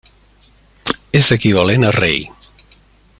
És equivalent a rei.